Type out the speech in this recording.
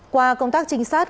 qua công tác trinh sát